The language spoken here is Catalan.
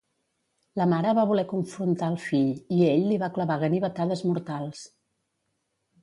La mare va voler confrontar el fill i ell li va clavar ganivetades mortals.